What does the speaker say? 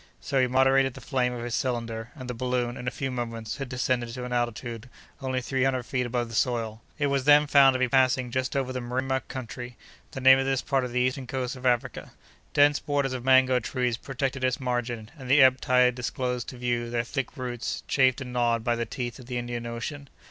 So he moderated the flame of his cylinder, and the balloon, in a few moments, had descended to an altitude only three hundred feet above the soil. It was then found to be passing just over the Mrima country, the name of this part of the eastern coast of Africa. Dense borders of mango trees protected its margin, and the ebb tide disclosed to view their thick roots, chafed and gnawed by the teeth of the Indian Ocean.